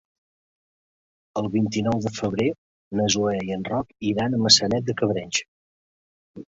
El vint-i-nou de febrer na Zoè i en Roc iran a Maçanet de Cabrenys.